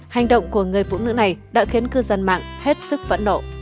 hành động của người phụ nữ này đã khiến cư dân mạng hết sức phẫn nộ